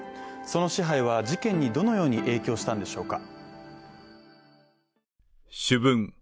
その支配は事件にどのように影響したのでしょうか。